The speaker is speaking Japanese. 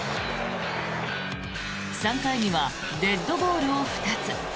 ３回にはデッドボールを２つ。